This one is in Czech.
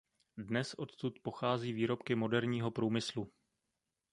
Dnes odtud pochází výrobky moderního průmyslu.